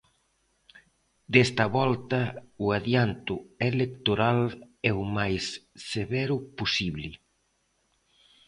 Desta volta o adianto electoral é o máis severo posible.